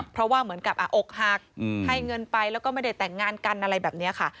เพราะว่าเหมือนกับอกหักให้เงินไปแล้วก็ไม่ได้แต่งงานกันอะไรแบบนี้ค่ะ